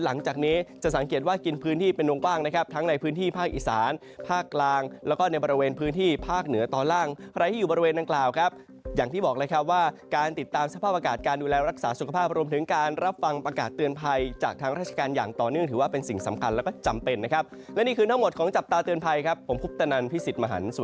แล้วก็ในบริเวณพื้นที่ภาคเหนือต่อล่างใครอยู่บริเวณดังกล่าวครับอย่างที่บอกเลยครับว่าการติดตามสภาพอากาศการดูแลรักษาสุขภาพรวมถึงการรับฟังประกาศเตือนภัยจากทางราชการอย่างต่อเนื่องถือว่าเป็นสิ่งสำคัญและก็จำเป็นนะครับและนี่คือทั้งหมดของจับตาเตือนภัยครับผมพุทธนันท